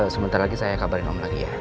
sebentar lagi saya kabarin om lagi ya